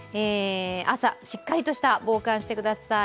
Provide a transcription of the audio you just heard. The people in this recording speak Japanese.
朝、しっかりとした防寒してください。